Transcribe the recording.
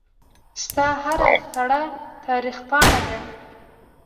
ستا هره تړه دتاریخ پاڼه ده